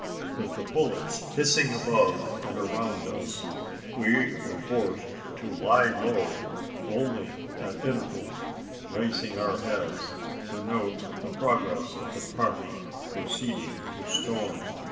With the bullets hissing above and around us, we were forced to lie low only at intervals raising our heads to note the progress of the party proceeding to storm.